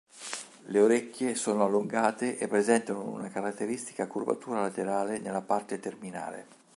Le orecchie sono allungate e presentano una caratteristica curvatura laterale nella parte terminale.